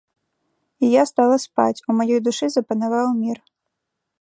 І я стала спаць, у маёй душы запанаваў мір.